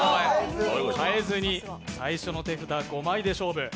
変えずに最初の手札５枚で勝負。